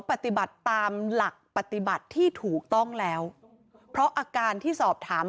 ปฏิบัติตามหลักปฏิบัติที่ถูกต้องแล้วเพราะอาการที่สอบถาม